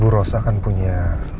bu ros akan punya